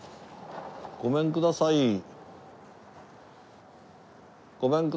ごめんください。